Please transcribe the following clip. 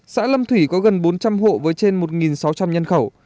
xã lâm thủy có gần bốn trăm linh hộ với trên một sáu trăm linh nhân khẩu